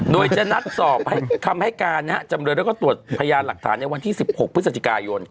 โดยจะนัดสอบคำให้การนะฮะจำเลยแล้วก็ตรวจพยานหลักฐานในวันที่๑๖พฤศจิกายน